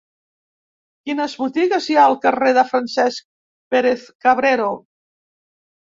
Quines botigues hi ha al carrer de Francesc Pérez-Cabrero?